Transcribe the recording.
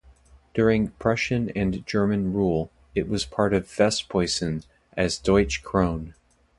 During Prussian and German rule, it was part of Westprussen as Deutsch Krone.